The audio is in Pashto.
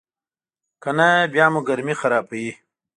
کنه بیا مو ګرمي خرابوي.